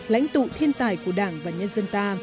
lãnh tụ thiên tài của đảng và nhân dân ta